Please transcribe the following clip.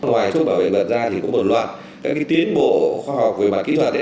ngoài thuốc bảo vệ thực vật ra thì có một loạt các cái tiến bộ khoa học về mặt kỹ thuật ấy